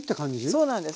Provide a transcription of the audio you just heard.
そうなんです。